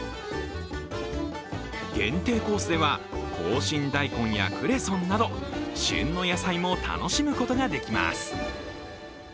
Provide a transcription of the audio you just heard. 限定コースでは、紅芯大根やクレソンなど旬の野菜も楽しむことができます。